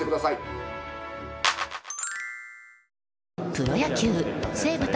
プロ野球西武対